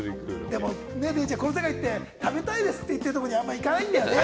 でもね、デイちゃん、食べたいですって言ってるところに、あんまり行かないんだよね。